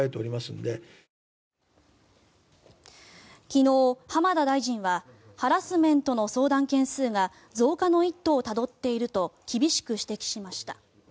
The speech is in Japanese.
昨日、浜田大臣はハラスメントの相談件数が増加の一途をたどっていると厳しく指摘しました。